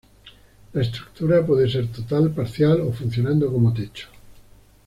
La estructura puede ser total, parcial, o funcionando como techo.